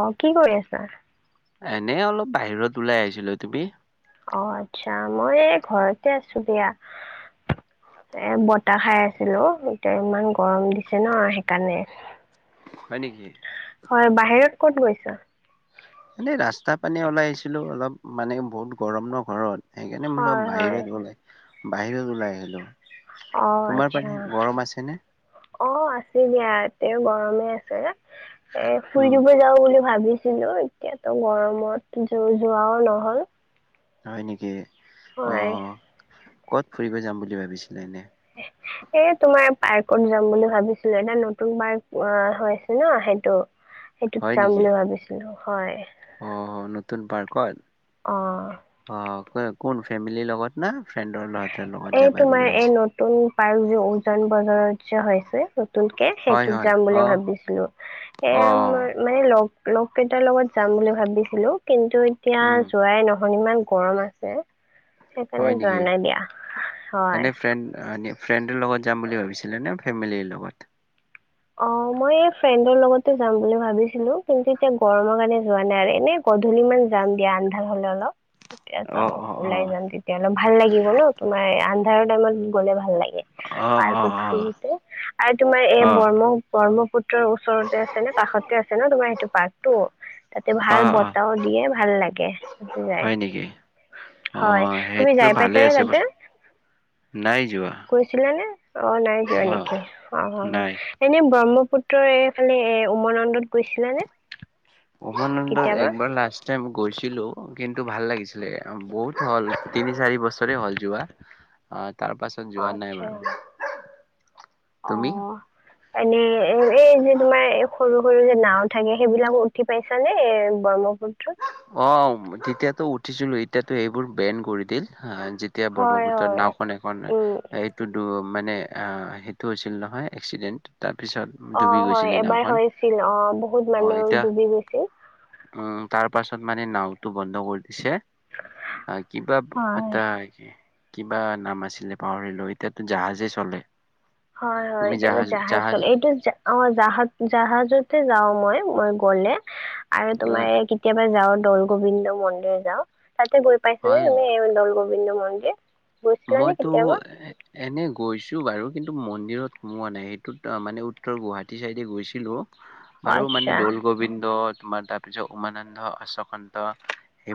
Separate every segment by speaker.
Speaker 1: অ কি কৰি আছা?
Speaker 2: এনেই অলপ বাহিৰত ওলাই আহিছিলোঁ তুমি।
Speaker 1: অ আচ্ছা মই এই ঘৰতে আছোঁ দিয়া। এ বতাহ খাই আছিলো। এতিয়া ইমান গৰম দিছে নহয় সেইকাৰণে
Speaker 2: হয় নেকি।
Speaker 1: হয় বাহিৰত ক'ত গৈছা?
Speaker 2: এনেই ৰাস্তা পিনেই ওলাই আহিছিলো অলপ মানে বহুত গৰম ন ঘৰত। সেইকাৰণে মই অলপ
Speaker 1: হয় হয়
Speaker 2: বাহিৰত ওলাই বাহিৰত ওলাই আহিলো
Speaker 1: অ
Speaker 2: তোমাৰ পানে
Speaker 1: আচ্ছা,
Speaker 2: গৰম আছে নে
Speaker 1: অ আচ্ছা আছে দিয়া তেওঁ গৰমে আছে ন এ ফুৰি
Speaker 2: উম
Speaker 1: দিব যাওঁ বুলি। ভাবিছিলো এতিয়াতো গৰমত যোৱাও নহ'ল
Speaker 2: হয় নেকি অ
Speaker 1: হয়।
Speaker 2: কত ফুৰিব যাম বুলি ভাবিছিলে এনেই [unintelligible]
Speaker 1: এ তোমাৰ পাৰ্কত যাম বুলি ভাবিছিলো এটা নতুন পাৰ্ক অ হৈ আছে ন সেইটো।
Speaker 2: হয়
Speaker 1: সেইটোত
Speaker 2: নেকি
Speaker 1: যাম বুলি ভাবিছিলো হয়।
Speaker 2: অ নতুন পাৰ্কত
Speaker 1: অ।
Speaker 2: অহ কোন ফেমিলিৰ লগত না ফ্ৰেণ্ডৰ লগত
Speaker 1: এই
Speaker 2: যাবা বুলি
Speaker 1: তোমাৰ এই
Speaker 2: ভাবিছে
Speaker 1: নতুন পাৰ্ক যে উজান বজাৰত যে হৈছে। নতুনকে
Speaker 2: হয়
Speaker 1: সেইটোত
Speaker 2: হয়
Speaker 1: যাম বুলি
Speaker 2: অ
Speaker 1: ভাবিছিলো, সেই
Speaker 2: অ
Speaker 1: আৰু মই লগ লগ কেইটাৰ লগত যাম বুলি ভাবিছিলো। কিন্তু এতিয়া
Speaker 2: উম
Speaker 1: যোৱাই নহয়। ধৰ ইমান গৰম আছে
Speaker 2: হয়
Speaker 1: সেইকাৰণে
Speaker 2: নেকি
Speaker 1: যোৱা নাই দিয়া। হয়
Speaker 2: এনে ফ্ৰেড ফ্ৰেণ্ডৰ লগত যাম বুলি ভাবিছিলা নে ফেমিলিৰ লগত
Speaker 1: অহ মই এই ফ্ৰেডৰ লগত যাম বুলি ভাবিছিলো কিন্তু এতিয়া গৰমৰ কাৰণে যোৱা নাই আৰু এনে গধূলি মান যাম দিয়া, আন্ধাৰ হ'লে অলপ। তেতিয়া
Speaker 2: অ',
Speaker 1: চাও
Speaker 2: অ',
Speaker 1: ওলাই
Speaker 2: অ',
Speaker 1: যাম তেতিয়া অলপ ভাল লাগিব ন তোমাৰ আন্ধাৰৰ টাইমত গ'লে ভাল লাগে।
Speaker 2: অ', অ',
Speaker 1: পাৰ্কত
Speaker 2: অ',
Speaker 1: ফুৰোতে আৰু তোমাৰ এ
Speaker 2: অ',
Speaker 1: ব্ৰহ্মপুত্ৰৰ ওচৰতে আছে নে কাষতে আছে ন তোমাৰ সেইটো পাৰ্কতটো তাতে ভাল
Speaker 2: অ', অ',
Speaker 1: বতাহ ওদিয়ে ভাল লাগে, তাতে যাই
Speaker 2: হয় নেকি?
Speaker 1: হয়
Speaker 2: অ',
Speaker 1: তুমি
Speaker 2: সেইটোতো
Speaker 1: যায়
Speaker 2: ভালে
Speaker 1: পাইছা নে
Speaker 2: আছে
Speaker 1: তাতে
Speaker 2: বাৰু নাই যোৱা
Speaker 1: গৈছিলানে অ নাই যোৱা
Speaker 2: অ',
Speaker 1: নেকি, অহ অহ
Speaker 2: নাই।
Speaker 1: এনে ব্ৰহ্মপুত্ৰৰ এইফালে এ উমানন্দত গৈছিল নে
Speaker 2: উমানন্দত একবাৰ লাষ্ট টাইম গৈছিলো কিন্তু ভাল লাগিছিলে বহুত হল তিনি চাৰি বছৰে হল যোৱা অ তাৰ পাছত যোৱা নাই
Speaker 1: আচ্ছা
Speaker 2: বাৰু।
Speaker 1: অ
Speaker 2: তুমি?
Speaker 1: এনে এই যে তোমাৰ সৰু সৰু যে নাও থাকে সেইবিলাকো উঠি পাইছানে ব্ৰহ্মপুত্ৰত
Speaker 2: অ তেতিয়াতো উঠিছিলো, এতিয়াতো সেইবোৰ বেন কৰি দিল। অ যেতিয়া
Speaker 1: হয়
Speaker 2: ব্ৰহ্মপুত্ৰৰ
Speaker 1: হয়
Speaker 2: নাওখন এখন
Speaker 1: উম
Speaker 2: এইটো দু মানে সেইটো হৈছিল নহয় এক্সিডেণ্ট। তাৰপিছত
Speaker 1: অ
Speaker 2: ডুবি
Speaker 1: হয়
Speaker 2: গৈছিলে
Speaker 1: এবাৰ
Speaker 2: নাওখন
Speaker 1: হৈছিল অ বহুত
Speaker 2: অহ
Speaker 1: মানুহ
Speaker 2: এতিয়া।
Speaker 1: ডুবি গৈছিল।
Speaker 2: উম তাৰ তাৰ পাছত মানে নাওতটো বন্ধ কৰি দিছে, অহ কিবা
Speaker 1: হয়
Speaker 2: এটা কিবা নাম আছিলে পাহৰিলো এতিয়াতো জাহাজেই চলে।
Speaker 1: হয় হয় এতিয়া যে জাহাজ চলে এইটো অ জাহাজ জাহাজতে যাওঁ মই। মই গলে আৰু তোমাৰ
Speaker 2: আহ,
Speaker 1: এই কেতিয়াবা যাওঁ দৌল গোবিন্দ মন্দিৰ যাওঁ তাতে গৈ পাইছো নে
Speaker 2: হয়
Speaker 1: তুমি দৌল গোবিন্দ মন্দিৰ গৈছিলানে
Speaker 2: মইতো
Speaker 1: কেতিয়াবা
Speaker 2: এনে গৈছোঁ বাৰু কিন্তু মন্দিৰ ভিতৰত সোমোৱা নাই সেইটোত মানে উত্তৰ গুৱাহাটী ছাইডে গৈছিলোঁ
Speaker 1: অ
Speaker 2: বাৰু মানে
Speaker 1: আচ্ছা
Speaker 2: দৌল গোবিন্দ তোমাৰ তাৰপিছত উমানন্দ অশ্বকান্ত।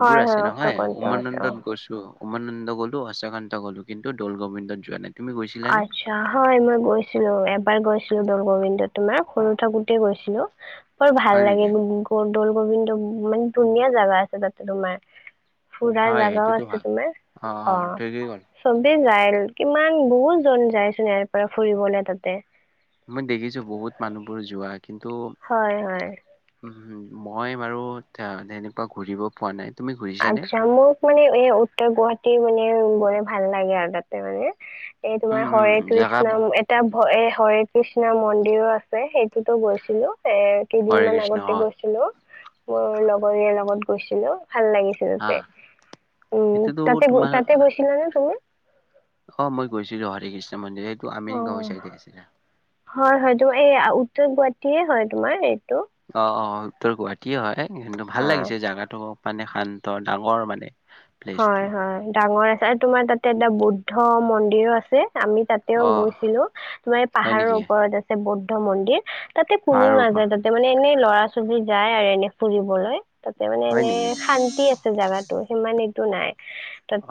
Speaker 1: হয় হয়
Speaker 2: আছে নহয়
Speaker 1: অশ্বকন্ত আছে অ
Speaker 2: উমানন্দত গৈছো। উমানন্দ গ'লো আশ্বকান্ত গ'লো কিন্তু দৌল গোবিন্দত যোৱা নাই। তুমি গৈছিলানে
Speaker 1: আচ্ছা হয় মই গৈছিলো এবাৰ গৈছিল তোৰ দৌল গোবিন্দ তোমাৰ সৰু থাকোতে গৈছিলো, বৰ ভাল
Speaker 2: হয়
Speaker 1: লাগে
Speaker 2: নেকি
Speaker 1: দৌল গোবিন্দ মানে ধুনীয়া জেগা আছে তাতে তোমাৰ ফুৰা
Speaker 2: হয়
Speaker 1: জেগাও
Speaker 2: সেইটোতো
Speaker 1: আছে
Speaker 2: হয়
Speaker 1: তোমাৰ অ
Speaker 2: ঠিকেই ক'লা
Speaker 1: চবেই যায় কিমান বহুত জন যায় চোন ইয়াৰ পৰা ফুৰিবলৈ তাতে
Speaker 2: মই দেখিছো বহুত মানুহবোৰ যোৱা।
Speaker 1: হয় হয়।
Speaker 2: উ মই বাৰু তেনেকুৱা ঘূৰিব পোৱা নাই। তুমি ঘূৰিছানে?
Speaker 1: আচ্ছা মোক মানে এই উত্তৰ গুৱাহাটী মানে উম ভাল লাগে আৰু তাতে মানে এই তোমাৰ
Speaker 2: উম উম
Speaker 1: হৰে
Speaker 2: জেগা
Speaker 1: কৃষ্ণ এটা- হৰে কৃষ্ণ মন্দিৰো আছে সেইটোতো গৈছিলো এ কেইদিন
Speaker 2: হৰে
Speaker 1: মমান
Speaker 2: কৃষ্ণ
Speaker 1: আগতে
Speaker 2: অ
Speaker 1: গৈছিলো, মোৰ লগৰ লগত গৈছিলো ভাল লাগিল।
Speaker 2: হা
Speaker 1: হিহঁতে, উম
Speaker 2: এইটোতো
Speaker 1: তাতে
Speaker 2: তোমাৰ
Speaker 1: তাতে গৈছিলা ন তুমি?
Speaker 2: অ মই গৈছিলো হৰি কৃষ্ণ মন্দিৰ। সেইটো
Speaker 1: অ
Speaker 2: আমিন গাঁৱৰ চাইডে আছিলে।
Speaker 1: হয় হয় তোমাৰ এই উত্তৰ গুৱাটীয়ে হয় তোমাৰ- এইটো
Speaker 2: অ অ উত্তৰ গুৱাহাটীয়ে হয় কি ভাল
Speaker 1: হয়
Speaker 2: লাগিছে জাগাতটো মানে শান্ত ডাঙৰ মানে। প্লেচটো
Speaker 1: হয় হয় ডাঙৰ আছে আৰু তোমাৰ তাতে এটা বুদ্ধ মন্দিৰো আছে। আমি তাতেও
Speaker 2: অ
Speaker 1: গৈছিলো, তোমাৰ এই
Speaker 2: হয়
Speaker 1: পাহাৰৰ
Speaker 2: নেকি
Speaker 1: ওপৰত আছে বৌদ্ধ মন্দিৰ। তাতে কোনোও
Speaker 2: পাহাৰৰ ওপৰ
Speaker 1: নাযায় তাতে মানে এনেই ল'ৰা ছোৱালী যায় আৰু এনেই ফুৰিবলৈ। তাতে মানে
Speaker 2: হয়
Speaker 1: এনে
Speaker 2: নেকি
Speaker 1: শান্তি আছে জোগাতটো সিমান এইটো নাই।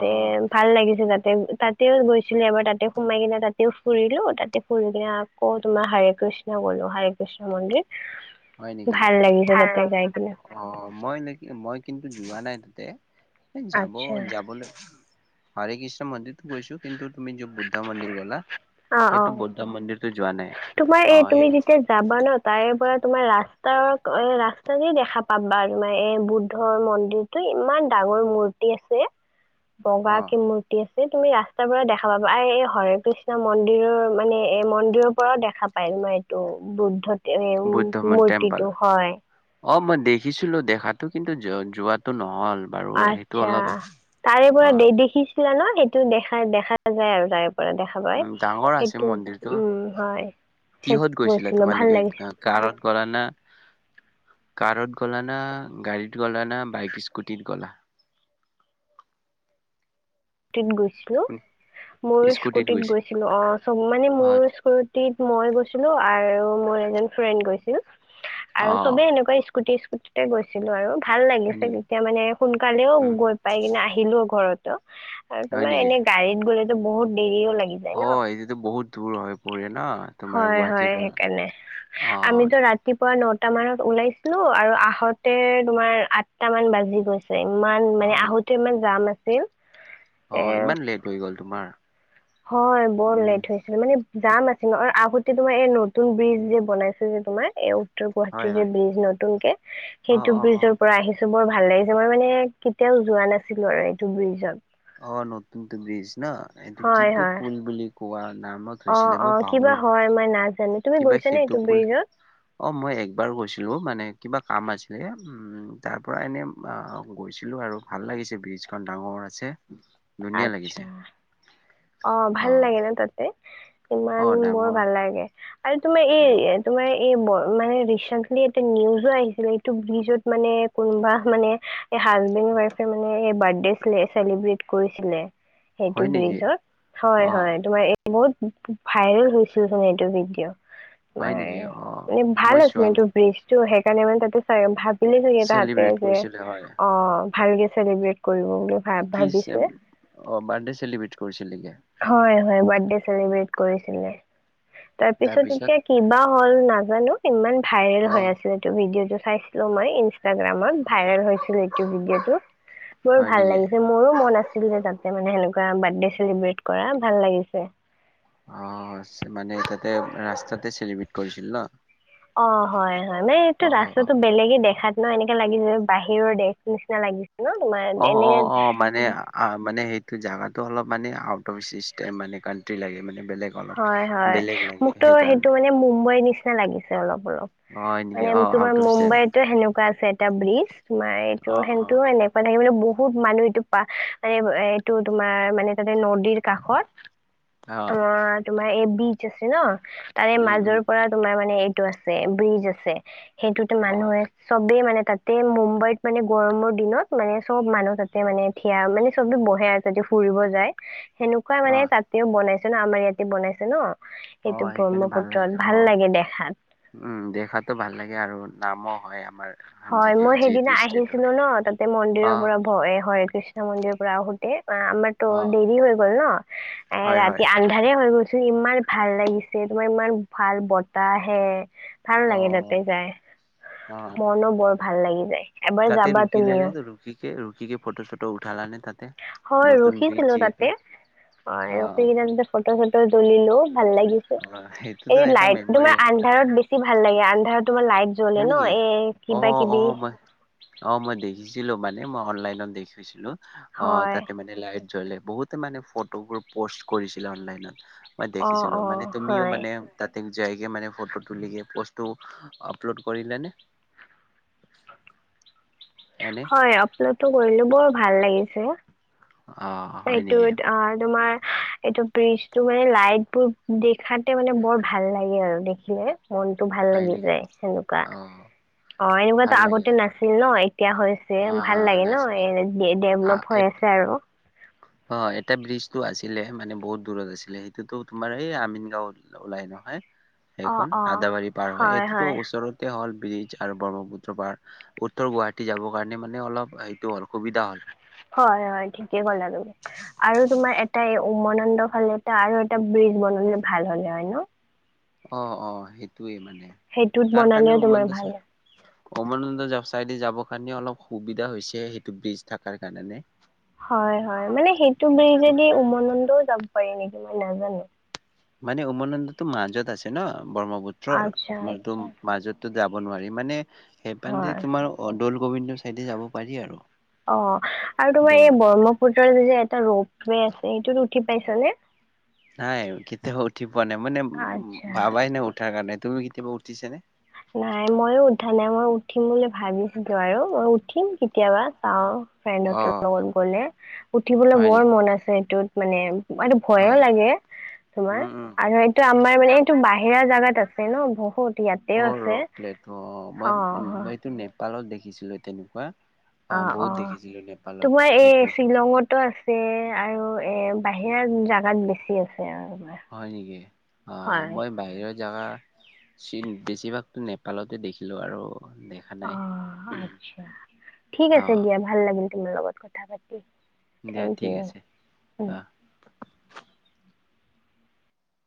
Speaker 2: অ
Speaker 1: ভাল লাগিছিল তাত। তেন তাতেও গৈছিলো এবাৰ তাতে সোমাই কিনে তাতেও ফুৰিলো, তাতে ফুৰি কিনে আকৌ তোমাৰ হাৰে কৃষ্ণ গ'লো হৰে কৃষ্ণ মন্দিৰ।
Speaker 2: হয় নেকি
Speaker 1: ভাল লাগিছে তাতে যাই কিনে
Speaker 2: অ মই নেকি মই কিন্তু যোৱা নাই তাতে- এই যাব
Speaker 1: আচ্ছা
Speaker 2: যাবলৈ হৰে কৃষ্ণ মন্দিৰতো গৈছো কিন্তু তুমি য বুদ্ধ মন্দিৰ গলা
Speaker 1: অ
Speaker 2: সেইটো
Speaker 1: অ
Speaker 2: বুদ্ধ মন্দিৰ
Speaker 1: তোমাৰ এই তুমি যেতিয়া যাবা ন তাৰে পৰা তোমাৰ ৰাস্তাৰ ৰাস্ত দেখা পাবা তমাৰ এ বুদ্ধৰ মন্দিৰটো ইমান ডাঙৰ মূৰ্তি আছে।
Speaker 2: [inaudible]
Speaker 1: বগা কি মূৰ্তি আছে এই তুমি ৰাস্তাবোৰত দেখা পাবা, আৰ এই সৰ্বিষ্যম মন্দিৰৰ মানে এ মন্দিৰৰ পৰাও দেখা পায় তোমাৰ এইটো বুদ্ধতে
Speaker 2: বৌদ্ধ মন টেম্পল
Speaker 1: মূৰ্তিটো হয়।
Speaker 2: অ মই দেখিছিলোঁ দেখাতটো কিন্তু যোৱাটো নহয়।
Speaker 1: আচ্ছা তাৰে পৰা
Speaker 2: অ
Speaker 1: দে দেখিছিলা ন। সেইটো দেখা দেখা যায় আৰু তাৰে পৰা। কৰা দেখা পায়
Speaker 2: উম ডাঙৰ আছে
Speaker 1: সেইটো
Speaker 2: মন্দিৰটো
Speaker 1: উম হয়। সেইটো
Speaker 2: কিহত গৈছিলা
Speaker 1: গৈছিলো ভাল
Speaker 2: তোমালোকে
Speaker 1: লাগিছিল
Speaker 2: কাৰত কৰা না? কাৰত গ'লা না গাড়ীত গ'লা না বাইক স্কুটিত গ'লা।
Speaker 1: গৈছিলো। মোৰ স্কুটিত গৈছিলো অ চব মানে
Speaker 2: অ
Speaker 1: মোৰ স্কুটিত মই গৈছিলো আৰু মোৰ এ ফ্ৰেণ্ড গৈছিল,
Speaker 2: অ
Speaker 1: আৰু চবে এনেকুৱা স্কুটি স্কুটতে গৈছিলো আৰু। ভাল
Speaker 2: হয়
Speaker 1: লাগিছে
Speaker 2: নেকি
Speaker 1: তেতিয়া মানে সোনকালেও
Speaker 2: উম
Speaker 1: গৈ পাই কিনে আহিলো ঘৰত। আৰু
Speaker 2: হয়
Speaker 1: তোমাৰ
Speaker 2: নেকি
Speaker 1: এনে গাড়ীত গ'লেতো বহুত দেৰিও লাগি যায়
Speaker 2: অ
Speaker 1: ন।
Speaker 2: এইটোতো বহুত দূৰ হৈ পৰে ন তোমাৰ
Speaker 1: হয়
Speaker 2: গুৱাহাটীৰ
Speaker 1: হয়
Speaker 2: পৰা
Speaker 1: সেইকাৰণে।
Speaker 2: অ
Speaker 1: আমিতো ৰাতিপুৱা ন আঠটা মানত ওলাইছিলো আৰু আহতে তোমাৰ আঠট মান বাজি গৈছিল। ইমান
Speaker 2: অ
Speaker 1: মানে আহোঁতে ইমান জাম আছিল।
Speaker 2: অ
Speaker 1: এ
Speaker 2: ইমান লেট হৈ গল তোমাৰ।
Speaker 1: হয় বৰ
Speaker 2: উম
Speaker 1: লেট হৈছিলে মানে। যাম আছিল ন আগতে তোমাৰ এই নতুন ব্ৰিজ যে বনাইছে যে তোমাৰ এই উওৰ
Speaker 2: হয়
Speaker 1: গুৱাহাটীৰ যে
Speaker 2: হয়
Speaker 1: ব্ৰিজ নতুন কে,
Speaker 2: অ
Speaker 1: সেইটো
Speaker 2: অ অ
Speaker 1: ব্ৰিজৰ পৰা আহি বৰ ভাল লাগিছে, মই মানে কেতিয়াও যোৱা নাছিলো আৰু এইটো ব্ৰিজত।
Speaker 2: অ নতুনতো ব্ৰিজ ন, এইটো কি
Speaker 1: হয় হয়
Speaker 2: পু-পুল বুলি কোৱা নামত
Speaker 1: অ
Speaker 2: হৈছিলে
Speaker 1: অ,
Speaker 2: মই
Speaker 1: কিবা
Speaker 2: পাহৰিলো
Speaker 1: হয় মই নাজানো। তুমি
Speaker 2: কিবা
Speaker 1: গৈছানে
Speaker 2: সেইটো
Speaker 1: এইটো
Speaker 2: বুলি,
Speaker 1: ব্ৰিজত
Speaker 2: অ মই একবাৰ গৈছিলো মানে কিবা কাম আছিলে এ উম, তাৰ পৰা এনে আ গৈছিলো আৰু ভাল লাগিছে ব্ৰিজখন ডাঙৰ অ আছে। ধুনীয়া
Speaker 1: আচ্ছা,
Speaker 2: লাগিছে
Speaker 1: অ ভাল লাগে ন ততে ইমান
Speaker 2: অ
Speaker 1: বৰ
Speaker 2: ডাঙৰ
Speaker 1: ভাল লাগে আৰু তোমাৰ এই
Speaker 2: উম,
Speaker 1: তোমাৰ এই মানে ৰিচেন্টলি এ নিউজো আহিছিল এইটো ব্ৰিজত মানে কোনোবা মানে এই হাজবেণ্ড ৱাইফে মানে এই বাৰ্থডেছিলে চেলিব্ৰেট কৰিছিলে। সেইটো
Speaker 2: হয় নেকি
Speaker 1: ব্ৰিজৰ,
Speaker 2: অ
Speaker 1: হয়-হয় তোমাৰ এই বহুত ভাইৰেল হৈছিল যোন এইটো ভিডিঅ'।
Speaker 2: হয়
Speaker 1: তমাৰ
Speaker 2: নেকি অ
Speaker 1: মানে ভাল
Speaker 2: মই
Speaker 1: আছিল
Speaker 2: চোৱা
Speaker 1: বিজটো সেইকাৰণে মানে তাতে চাই ভ থে তাহতে
Speaker 2: চেলিব্ৰেট
Speaker 1: যে
Speaker 2: কৰিছিলে হয়
Speaker 1: অ ভালকে চেলিব্ৰেট কৰিব বুলি ভ
Speaker 2: কি
Speaker 1: ভাবিছ।
Speaker 2: অ, বাৰ্থডে চেলিব্ৰেট কৰিছিলেগে।
Speaker 1: হয় হয় বাৰ্থডে চেলিব্ৰেট কৰিছিলে, তাৰ পিছত
Speaker 2: তাৰপিছত
Speaker 1: এতিয়া কিবা হল নাজানো? ইমান ভাইৰেল
Speaker 2: অ
Speaker 1: হৈ আছিল এইটো ভিডিঅটো, চাইছিলো মই ইনষ্টাগ্ৰামত। ভাইৰেল হৈছিল এইটো ভিডিঅ'তটো বৰ
Speaker 2: হয়
Speaker 1: ভাল
Speaker 2: নেকি
Speaker 1: লাগিছে মোৰো মন আছে। তাতে মানে সেনেকুৱা বাৰ্থডে চেলিব্ৰেট কৰা ভাল লাগিছে।
Speaker 2: অ চ, মানে তাতে ৰাস্তাতে চেলিব্ৰেট কৰিছিল ন?
Speaker 1: অ হয়-হয় মানে এইটো
Speaker 2: অ
Speaker 1: ৰাস্তাটো বেলেগে দেখাত ন এনেকা লাগিছে বাহিৰৰ দেশ নিচিনা লাগিছে। ন তোমাৰ
Speaker 2: অ, অ,
Speaker 1: এনেকে
Speaker 2: অ' মানে মানে সেই ত' জাগাাতটো অলপ মানে আউট অফ চিষ্টেম মানে কানণ্ট্ৰি লাগে মানে। বেলেগ অলপ
Speaker 1: হয়, হয়,
Speaker 2: বেলেগ লাগে
Speaker 1: মোকতো সেইটো
Speaker 2: সেইকাৰণে
Speaker 1: মানে মুম্বাইৰ নিচিনা লাগিছে অলপ-অলপ।
Speaker 2: অ হয় নেকি
Speaker 1: মানে
Speaker 2: অ
Speaker 1: তোমাৰ
Speaker 2: আউট অফ চিষ্টেম
Speaker 1: মুম্বাইতো সেনেকুৱা আছে এটা ব্ৰিজ, তোমাৰ এইটো
Speaker 2: অ অ
Speaker 1: সেনতো এনেকুৱা থাকে মানে বো বহুত মানুহ এইটো পা মানে এইটো তোমাৰ মানে তাত নদীৰ কাষত,
Speaker 2: অ
Speaker 1: আমাৰ তোমাৰ এই ব্ৰিজ আছে ন তাৰে
Speaker 2: উম উম
Speaker 1: মাজৰ পৰা তোমাৰ মানে এইটো আছে, ব্ৰিজ আছে। সেইটোতো
Speaker 2: অ
Speaker 1: মানুহে চবেই মানে তাতে মুম্বাইত মানে গৰমৰ দিনত মানে চব মানুহ তাতে মানে থিয়া, মানে চব বহে আৰু যদি ফুৰিব যায় সেনেকুৱাই
Speaker 2: অ
Speaker 1: মানে তাতেও বনাইছে ন, আমাৰ ইয়াতে বনাইছে ন।
Speaker 2: অ
Speaker 1: সেইটো
Speaker 2: সেইকাৰণে ভাল লাগিছে
Speaker 1: ব্ৰহ্মপুত্ৰত
Speaker 2: অ
Speaker 1: ভাল লাগে দেখাত।
Speaker 2: উম, দেখাতটো ভাল লাগে আৰু নামো হয় আমাৰ জি যিহেতু ষ্টেটৰ
Speaker 1: এ
Speaker 2: অ
Speaker 1: মন্দিৰৰ পৰা ভয় এ হয় কৃষ্ণ মন্দিৰৰ পৰা আহোঁতে আমা-আমাৰটো
Speaker 2: অ
Speaker 1: দেৰি হৈ গল ন, এ
Speaker 2: হয় হয়
Speaker 1: ৰাতি আন্ধাৰ হৈ গৈচোন ইমান ভাল লাগিছে, তোমাৰ ইমান ভাল বতাহ আহে। ভাল
Speaker 2: অ
Speaker 1: লাগে তাতে যাই,
Speaker 2: অ
Speaker 1: মনো বৰ ভাল লাগি যায়। এবাৰ
Speaker 2: তাতে
Speaker 1: যাবা
Speaker 2: ৰুখিলে
Speaker 1: তুমিও
Speaker 2: নে, ৰুখিকে ৰুখিকে ফটো-চটো উঠালানে তাতে?
Speaker 1: হয়
Speaker 2: নতুন ব্ৰিজ
Speaker 1: ৰখিছিলো
Speaker 2: যিহেতু
Speaker 1: তাতে, অ ৰখি
Speaker 2: আহ
Speaker 1: কেনে তাতে ফটো-চটো তুলিলো। ভাল লাগিছে
Speaker 2: সেইটোতো এটা মেমৰি
Speaker 1: তোমাৰ লাইট জ্বলে
Speaker 2: হয়,
Speaker 1: ন
Speaker 2: নেকি?
Speaker 1: এই
Speaker 2: অ,
Speaker 1: কিবা কিবি
Speaker 2: অ' মই অ' মই দেখিছিলো মানে মই অনলাইন। দেখিছিলো অ'
Speaker 1: হয়
Speaker 2: তাতে মানে লাইট জ্বলে। বহুতে মানে ফটোবোৰ প'ষ্ট কৰিছিলে অনলাইনত। মই
Speaker 1: অ
Speaker 2: দেখিছিলো,
Speaker 1: অ
Speaker 2: মানে তুমিও
Speaker 1: হয়
Speaker 2: মানে তাতে যাইকে মানে ফটো তুলি কে পষ্ট আপলোড কৰিলে নে? এনে
Speaker 1: হয় আপলোডটো কৰিলো, ‌ বৰ ভাল লাগিছে।
Speaker 2: অ হয় নেকি
Speaker 1: এইটোত আ তোমাৰ এইটো ব্ৰিজটো মানে লাইটবোৰ দেখাতে মানে বৰ ভাল লাগে আৰু দেখিলে। মনটো ভাল
Speaker 2: হয়
Speaker 1: লাগি
Speaker 2: নেকি
Speaker 1: যায় সেনেকুৱা,
Speaker 2: অ
Speaker 1: অ
Speaker 2: ভাল
Speaker 1: এনেকুৱাতো
Speaker 2: লাগে
Speaker 1: আগতে নাছিল ন এ এতিয়া হৈছে
Speaker 2: অ অ
Speaker 1: ভাল লাগে ন,
Speaker 2: নাছিলে
Speaker 1: এ ডেভলপ হৈ আছে আৰু।
Speaker 2: [unintelligible] অ' এটা ব্ৰিজটো আছিলে। মানে বহুত দূৰত আছিলে। সেইটোতো তোমাৰ এই আমিন গাঁও ওলাই নহয়।
Speaker 1: অ
Speaker 2: সেইখন
Speaker 1: অ
Speaker 2: আদাবাৰী পাৰ হয়, এইটোতো ওচৰতে হ'ল। ব্ৰিজ আৰু ব্ৰহ্মপুত্ৰ পাৰ। উত্তৰ গুৱাহাটী যাবৰ কাৰণে মানে অলপ সেইটো হ'ল, সুবিধা হ'ল।
Speaker 1: হয়, হয় ঠিকে ক'লা তুমি। আৰু তুমাৰ এটাই উমানন্দ ফালে এটা আৰু এটা ব্ৰিজ বনালে ভাল হ'ল হয় ন?
Speaker 2: অ, অ' সেইটয়ে মানে
Speaker 1: সেইটোত
Speaker 2: তাৰ কাৰণে
Speaker 1: বনালেও
Speaker 2: উমান
Speaker 1: তোমাৰ ভাল
Speaker 2: দচা
Speaker 1: হয়
Speaker 2: উমানন্দা যাও চাইদে
Speaker 1: হয়, হয় মানে সেইটো বিজেদি উমানন্দও যাব পাৰি নেকি মই নাজানো।
Speaker 2: মানে উমানন্দটো মাজত আছে ন ব্ৰহ্মপুত্ৰৰ
Speaker 1: আচ্ছা
Speaker 2: সোঁটো
Speaker 1: আচ্ছা
Speaker 2: মাজতো। যাব নোৱাৰি। মানে সেইপান
Speaker 1: হয়
Speaker 2: তোমাৰ দৌল গোবিন্দ চাইডে যাব পাৰি আৰু।
Speaker 1: অ, আৰু তোমাৰ
Speaker 2: দৌল
Speaker 1: এই ব্ৰহ্মপুত্ৰৰ যে এটা ৰোপৱে আছে সেইটোত উঠি পাইছা নে?
Speaker 2: নাই কেতিয়াও উঠি পোৱা নাই, মানে
Speaker 1: আচ্ছা
Speaker 2: ভাবাই নাই উঠাৰ কাৰণে। তুমি কেতিয়াবা উঠিছা নে?
Speaker 1: নাই ময়ো উঠা নাই মই উঠিম বুলি ভাবিছিলো আৰু মই উঠিম কেতিয়াবা চাওঁ। ফ্ৰেণ্ডহ‍ঁতৰ লগত গলে উঠিবলে
Speaker 2: হয় নি
Speaker 1: বৰ মন আছে এইটোত মানে। এইটো ভয়ো লাগে তোমাৰ,
Speaker 2: উম উম
Speaker 1: আৰু এইটো আমাৰ মানে এইটো বাহিৰা জাগাত আছে ন বহুত। ইয়াতেও
Speaker 2: অ! ৰ
Speaker 1: আছে
Speaker 2: [unintelligible] অ
Speaker 1: অঁ
Speaker 2: মই-মই
Speaker 1: হয়
Speaker 2: এইটো নেপালত দেখিছিলো তেনেকুৱা। অ
Speaker 1: অঁ
Speaker 2: বহুত
Speaker 1: অঁ,
Speaker 2: দেখিছিলো নেপালত
Speaker 1: তোমাৰ
Speaker 2: সেইটো
Speaker 1: এই শ্বিলঙতো আছে এ আৰু এ বাহিৰা জাগাত বেছি আছে। আৰু তোমাৰ।
Speaker 2: হয় নেকি। অ
Speaker 1: হয়
Speaker 2: মই বাহিৰত জাগা, চীন বেছিভাগতো নেপালতে দেখিলো আৰু দেখা নাই
Speaker 1: অহ
Speaker 2: অ
Speaker 1: থেংক
Speaker 2: দিয়া ঠিক
Speaker 1: ইউ।
Speaker 2: আছে অ